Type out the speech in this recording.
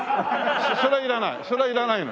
それはいらない？